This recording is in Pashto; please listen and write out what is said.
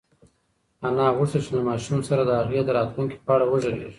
انا غوښتل چې له ماشوم سره د هغه د راتلونکي په اړه وغږېږي.